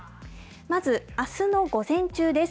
まず、あすの午前中です。